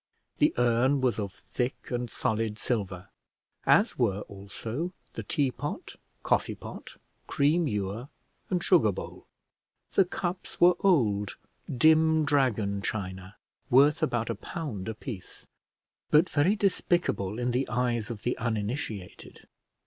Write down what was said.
The urn was of thick and solid silver, as were also the tea pot, coffee pot, cream ewer, and sugar bowl; the cups were old, dim dragon china, worth about a pound a piece, but very despicable in the eyes of the uninitiated.